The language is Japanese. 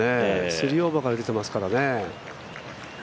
３オーバーから出ていますからね。